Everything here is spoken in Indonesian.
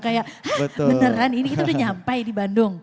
kayak hah beneran ini kita sudah sampai di bandung